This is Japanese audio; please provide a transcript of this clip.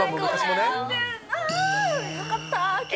よかった。